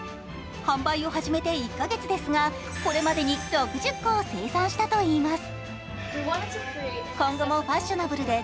販売を始めて１カ月ですが、これまでに６０個を生産したといいます。